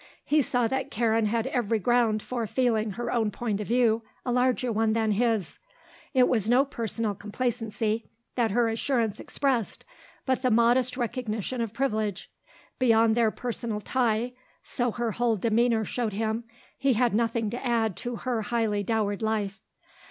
He saw that Karen had every ground for feeling her own point of view a larger one than his. It was no personal complacency that her assurance expressed, but the modest recognition of privilege. Beyond their personal tie, so her whole demeanour showed him, he had nothing to add to her highly dowered life.